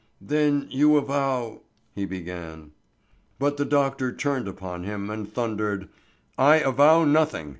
"Then you avow—" he began. But the doctor turned upon him and thundered, "I avow nothing.